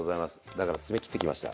だから爪切ってきました。